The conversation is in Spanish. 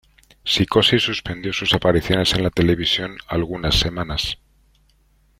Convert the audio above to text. Psicosis suspendió sus apariciones en la televisión algunas semanas.